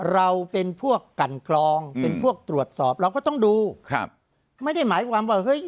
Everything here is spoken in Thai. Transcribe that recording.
เราเป็นพวกกันกรองเป็นพวกตรวจสอบเราก็ต้องดูครับไม่ได้หมายความว่าเฮ้ย